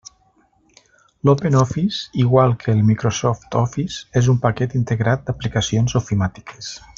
L'OpenOffice, igual que el Microsoft Office, és un paquet integrat d'aplicacions ofimàtiques.